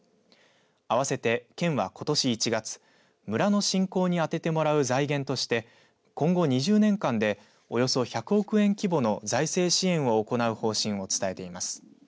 合わせて県はことし１月村の振興にあててもらう財源として今後２０年間でおよそ１００億円規模の財政支援を行う方針を伝えています。